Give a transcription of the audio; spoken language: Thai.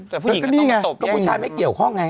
แต่ผู้หญิงก็ต้องผู้ชายไม่เกี่ยวข้องไง